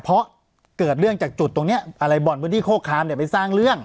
เพราะเกิดเรื่องจากจุดตรงนี้อะไรบ่อนพื้นที่โคคามเนี่ยไปสร้างเรื่อง